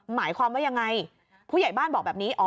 หมายความว่ายังไงผู้ใหญ่บ้านบอกแบบนี้